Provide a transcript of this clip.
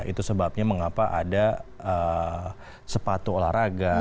itu sebabnya mengapa ada sepatu olahraga